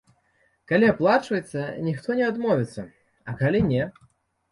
Калі аплачваецца, ніхто не адмовіцца, а калі не?